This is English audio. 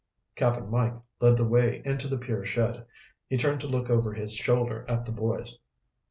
Cap'n Mike led the way into the pier shed. He turned to look over his shoulder at the boys.